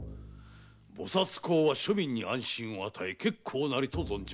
菩薩講は庶民に安心を与え結構なりと存じまする。